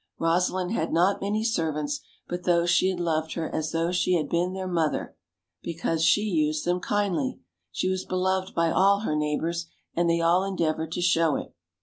Eosalind had not many servants, but those she had loved her as though she had been their mother, because she used them kindly; she was beloved by all her neighbors, and they all endeavored to show it.